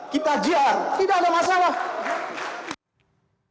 kita jiar tidak ada masalah